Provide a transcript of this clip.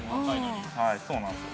そうなんですよ。